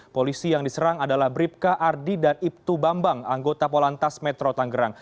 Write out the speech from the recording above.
polisi yang diserang adalah bribka ardi dan ibtu bambang anggota polantas metro tanggerang